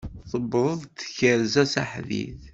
Tuweḍ tkerza s aḥdid.